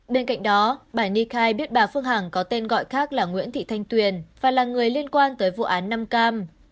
bên cạnh đó bà ni khai biết bà phương hằng có tên gọi khác là nguyễn thị thanh tuyền và là người liên quan tới vụ án năm cam